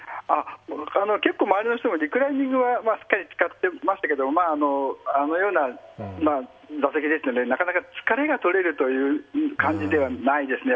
結構、周りの人もリクライニングは使っていましたけど、あのような座席ですのでなかなか疲れが取れるという感じではないですね。